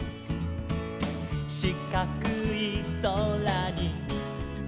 「しかくいそらに」